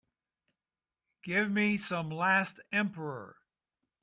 give me some Last Emperor